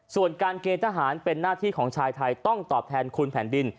ส่วนการเกณฑ์ทหารเป็นหน้าที่ของชายไทยต้องตอบแทนคุณแผ่นดิน